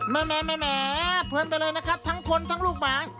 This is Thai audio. แม่เพลินไปเลยนะครับทั้งคนทั้งลูกหมา